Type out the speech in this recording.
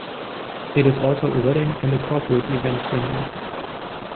It is also a wedding and corporate events venue.